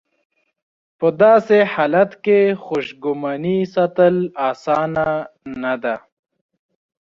په داسې حالت کې خوشګماني ساتل اسانه نه ده.